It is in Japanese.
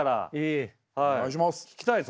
お願いします。